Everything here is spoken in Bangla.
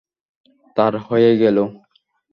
তার হয়ে গেলো।